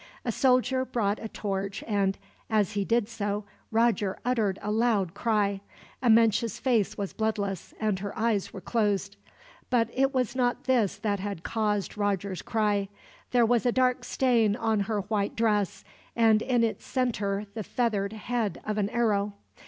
A soldier brought a torch and, as he did so, Roger uttered a loud cry. Amenche's face was bloodless, and her eyes were closed. But it was not this that had caused Roger's cry. There was a dark stain on her white dress, and in its center the feathered head of an arrow.